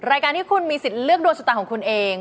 รายการที่คุณมีสิทธิ์เลือกดวงชะตาของคุณเอง